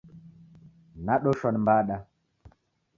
Nadoshwa ni mbada.